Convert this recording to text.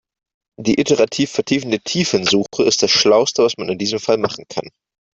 Die iterativ vertiefende Tiefensuche ist das schlauste, was man in diesem Fall machen kann.